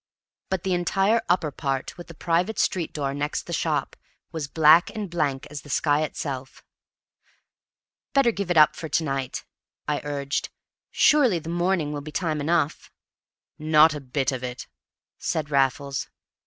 But the entire "upper part," with the private street door next the shop, was black and blank as the sky itself. "Better give it up for to night," I urged. "Surely the morning will be time enough!" "Not a bit of it," said Raffles.